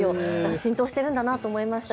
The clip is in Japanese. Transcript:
浸透しているんだなと思いました。